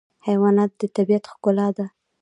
حیوانات د طبیعت ښکلا ده.